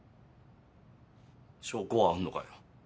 証拠はあんのかよ。